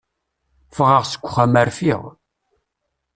Fɣeɣ seg uxxam rfiɣ.